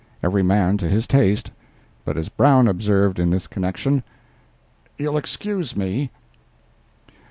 Every man to his taste; but, as Brown observed in this connection, "You'll excuse me."